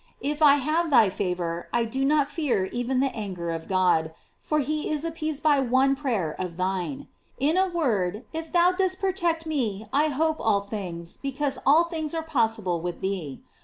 If I have thy favor I do not fear even the anger of God, for he is appeased by one prayer of thine. In a word, if thou dost protect me I hope all things, because all things are possible with thee.